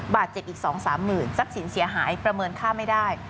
บาดเจ็บอีก๒๓หมื่นทรัพย์สินเสียหายประเมินค่าไม่ได้